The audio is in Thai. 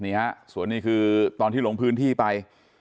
นี่ฮะส่วนนี้คือตอนที่ลงพื้นที่ไป